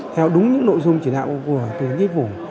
theo đúng những nội dung chỉ đạo của tuyển nhiên vụ